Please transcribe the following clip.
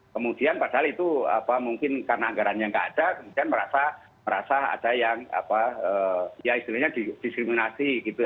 kemudian padahal itu mungkin karena anggarannya nggak ada kemudian merasa ada yang istilahnya diskriminasi gitu